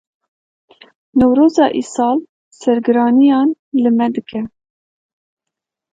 Newroza îsal sergiraniyan li me dike.